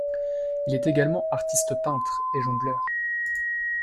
Il est également artiste-peintre et jongleur.